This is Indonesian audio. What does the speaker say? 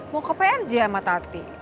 mau ke prj sama tarti